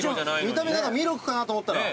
見た目ミルクかなと思ったら。